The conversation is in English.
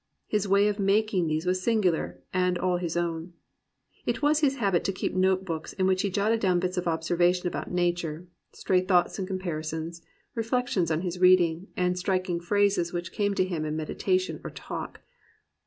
His way of making these was singular and all his own. It was his habit to keep note books in which he jotted down bits of observation about nature, 348 A PURITAN PLUS POETRY stray thoughts and comparisons, reflections on his reading, and striking phrases which came to him in meditation or talk.